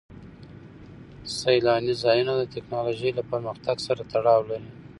سیلاني ځایونه د تکنالوژۍ له پرمختګ سره تړاو لري.